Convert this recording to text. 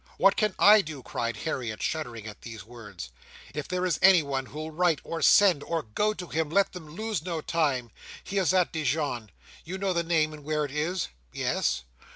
"What can I do?" cried Harriet, shuddering at these words. "If there is anyone who'll write, or send, or go to him, let them lose no time. He is at Dijon. Do you know the name, and where it is?" "Yes."